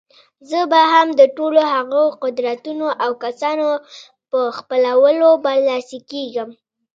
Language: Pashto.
زه به د ټولو هغو قدرتونو او کسانو په خپلولو برلاسي کېږم.